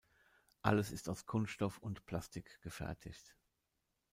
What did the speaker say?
Alles ist aus Kunststoff und Plastik gefertigt.